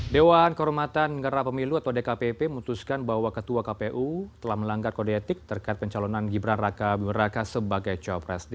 dewan kehormatan ngera pemilu atau dkpp memutuskan bahwa ketua kpu telah melanggar kode etik terkait pencalonan gibran raka bumi raka sebagai cawapres